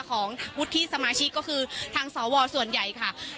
ของวุฒิสมาชิกก็คือทางสวส่วนใหญ่ค่ะ